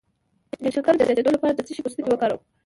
د شکر د زیاتیدو لپاره د څه شي پوستکی وکاروم؟